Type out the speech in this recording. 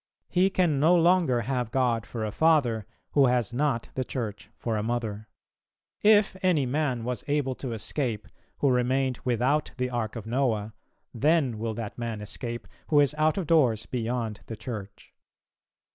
He can no longer have God for a Father, who has not the Church for a Mother. If any man was able to escape who remained without the Ark of Noah, then will that man escape who is out of doors beyond the Church.